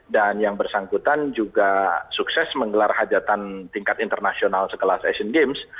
dan yang bersangkutan juga sukses menggelar hajatan tingkat internasional sekelas asian games